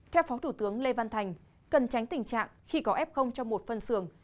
theo phó thủ tướng lê văn thành cần tránh tình trạng khi có f trong một phân xường